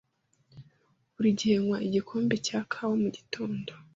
Buri gihe nywa igikombe cya kawa mugitondo.